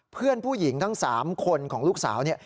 เพื่อนผู้หญิงทั้ง๓คนของลูกสาวเนี่ย